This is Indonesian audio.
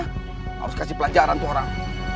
harus kasih pelanjaran tuh orang